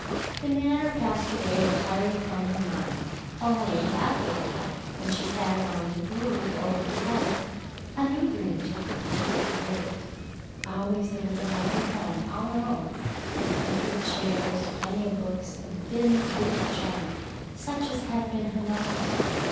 The matter passed entirely from her mind, only, after that, when she sat alone to brood over her life, a new dream took the place of the old. Always there was a lovely home all her own, with comfortable chairs and plenty of books, and thin, sprigged china, such as had been her mother's.